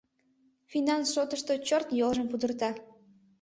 Финанс шотышто чёрт йолжым пудырта.